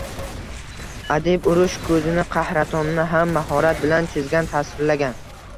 Adib urush kuzini, qahratonini ham mahorat bilan chizgan, tasvirlagan